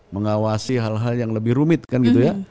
mengawasi hal hal yang lebih rumit kan gitu ya